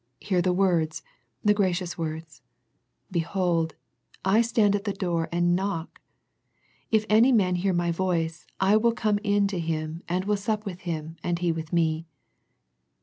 Hear the words, the gracious words, " Behold, I stand at the door and knock? if any man hear My voice, I will come in to him, and will sup with him and he with Me."